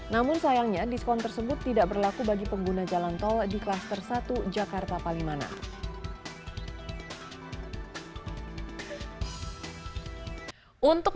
namun sayangnya diskon tersebut tidak berlaku bagi pengguna jalan tol di klaster satu jakarta palimanan